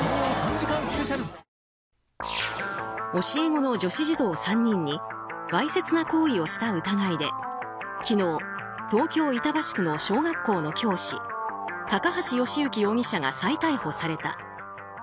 教え子の女子児童３人にわいせつな行為をした疑いで昨日、東京・板橋区の小学校の教師高橋慶行容疑者が再逮捕された。